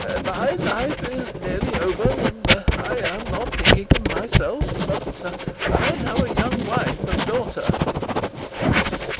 My life is nearly over, and I am not thinking of myself, but I have a young wife and daughter.